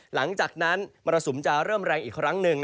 หลังจากนั้นมรสุมจะเริ่มแรงอีกครั้งหนึ่ง